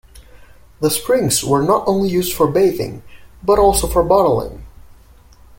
The springs were not only used for bathing, but, also for bottling.